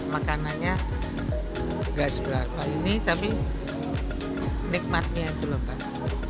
makanannya nggak seberapa ini tapi nikmatnya itu lembat